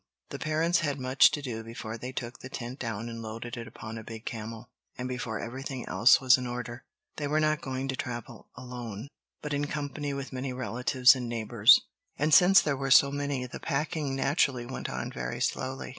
The parents had much to do before they took the tent down and loaded it upon a big camel, and before everything else was in order. They were not going to travel alone, but in company with many relatives and neighbors. And since there were so many, the packing naturally went on very slowly.